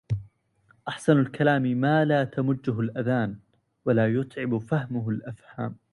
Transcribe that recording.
أحسن الكلام ما لا تمجّه الأذان ولا يُتعب فهمه الأفهام.